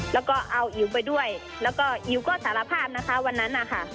แล้วก็เอาอิ๋วไปด้วยแล้วก็อิ๋วก็สารภาพนะคะวันนั้นนะคะ